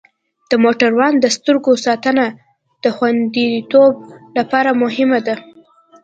د موټروان د سترګو ساتنه د خوندیتوب لپاره مهمه ده.